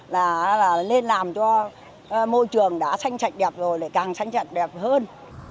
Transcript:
là nên làm cho môi trường đã xanh sạch đẹp rồi lại càng xanh sạch đẹp hơn